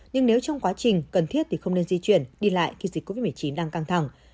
nhưng nếu trong quá trình cần thiết thì không nên di chuyển đi lại khi dịch covid một mươi chín đang căng thẳng